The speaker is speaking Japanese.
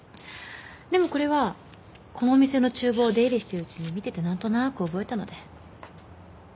でもこれはこのお店のちゅう房出入りしてるうちに見てて何となく覚えたので。